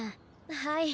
はい